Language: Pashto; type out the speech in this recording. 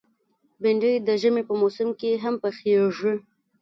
بېنډۍ د ژمي په موسم کې هم پخېږي